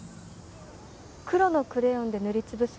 黒のクレヨンで塗り潰す